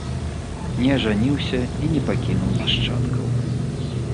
Не ажаніўся і не пакінуў нашчадкаў.